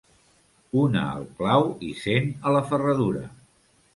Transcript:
Una al clau i cent a la ferradura.